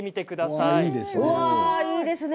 いいですね。